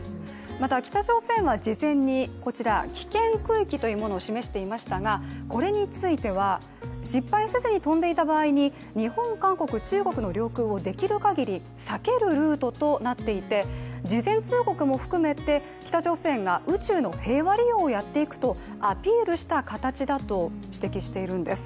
また、北朝鮮は事前にこちら、危険区域というものを示していましたがこれについては、失敗せずに飛んでいた場合に日本、韓国、中国の領空をできるかぎり避けるルートになっていて事前通告も含めて北朝鮮が宇宙の平和利用をやっていくとアピールした形だと指摘しているんです。